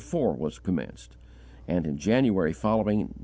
4 was commenced; and in January following, No.